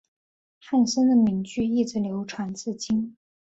汉森的名句一直流传至今。